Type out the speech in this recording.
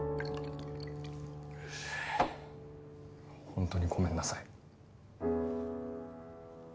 本当にごめんなさい。